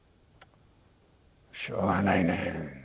しょうがないね。